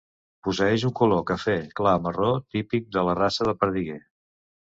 Posseeix un color cafè clar marró típic de la raça de perdiguer.